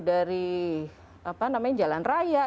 dari jalan raya